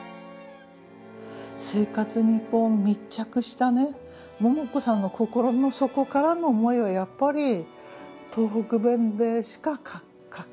生活に密着したね桃子さんの心の底からの思いはやっぱり東北弁でしか書けない。